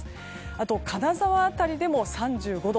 あと、金沢辺りでも３５度。